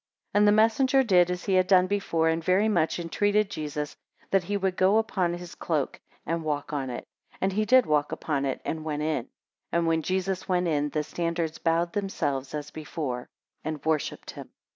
31 And the messenger did as he had done before, and very much entreated Jesus that he would go upon his cloak, and walk on it; and he did walk upon it, and went in. 32 And when Jesus went in, the standards bowed themselves as before, and worshipped him.